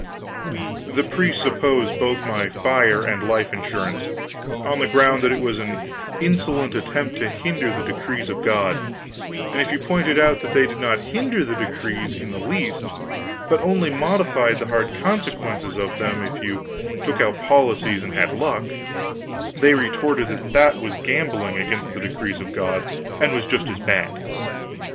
The priests opposed both my fire and life insurance, on the ground that it was an insolent attempt to hinder the decrees of God; and if you pointed out that they did not hinder the decrees in the least, but only modified the hard consequences of them if you took out policies and had luck, they retorted that that was gambling against the decrees of God, and was just as bad.